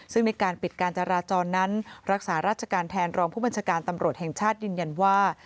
ซึ่งในการปิดการจราจรนั้นรักษาราชการแทนรองผู้บัญชาการตำรวจแห่งชาติยืนยันว่า